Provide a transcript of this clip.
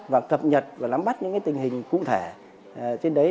và cập nhật và lắm bắt những tình hình cụ thể trên đấy